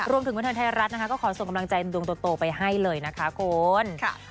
รวมถึงวิทยาลัยรัฐนะคะก็ขอส่งกำลังใจดวงโตไปให้เลยนะคะคุณ